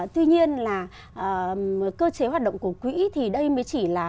tuy nhiên là cơ chế hoạt động của quỹ thì đây mới chỉ là